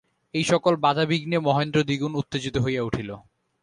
এই-সকল বাধাবিঘ্নে মহেন্দ্র দ্বিগুণ উত্তেজিত হইয়া উঠিল।